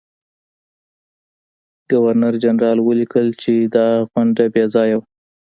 ګورنرجنرال ولیکل چې دا غونډه بې ځایه وه.